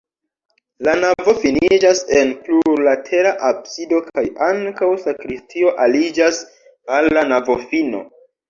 La navo finiĝas en plurlatera absido kaj ankaŭ sakristio aliĝas al la navofino.